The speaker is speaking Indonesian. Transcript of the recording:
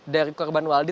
dari korban waldi